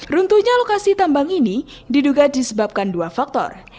runtuhnya lokasi tambang ini diduga disebabkan dua faktor